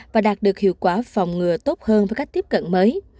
và đạt được hiệu quả phòng ngừa tốt hơn với cách tiếp cận mới